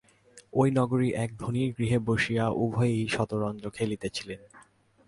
ঐ নগরের এক ধনীর গৃহে বসিয়া উভয়েই শতরঞ্চ খেলিতেছিলেন।